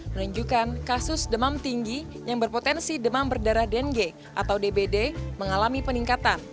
menunjukkan kasus demam tinggi yang berpotensi demam berdarah dengue atau dbd mengalami peningkatan